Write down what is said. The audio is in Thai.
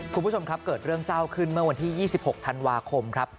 คุณผู้ชมครับเกิดเรื่องเศร้าขึ้นเมื่อวันที่๒๖ธันวาคมครับ